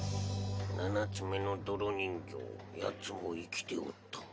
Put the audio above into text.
七つ眼の泥人形ヤツも生きておった。